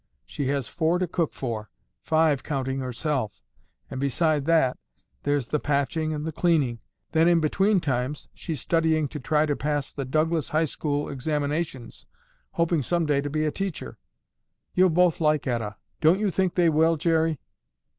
She has four to cook for—five counting herself—and beside that, there's the patching and the cleaning. Then in between times she's studying to try to pass the Douglas high school examinations, hoping someday to be a teacher. You'll both like Etta. Don't you think they will, Jerry?"